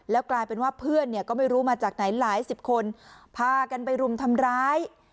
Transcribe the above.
กลายเป็นว่าเพื่อนเนี่ยก็ไม่รู้มาจากไหนหลายสิบคนพากันไปรุมทำร้าย